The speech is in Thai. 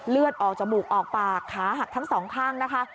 เลือดออกจมูกออกปากขาหักทั้งสองข้างนะคะ